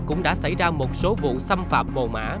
cũng đã xảy ra một số vụ xâm phạm mồ mã